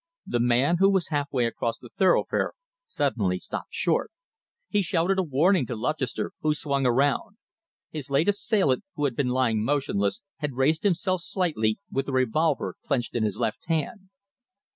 The man, who was half way across the thoroughfare, suddenly stopped short. He shouted a warning to Lutchester, who swung around. His late assailant, who had been lying motionless, had raised himself slightly, with a revolver clenched in his left hand.